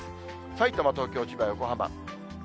さいたま、東京、千葉、横浜。